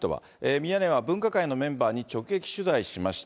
ミヤネ屋は分科会のメンバーに直撃取材しました。